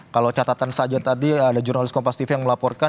kalau catatan saja tadi ada jurnalis kompas tv yang melaporkan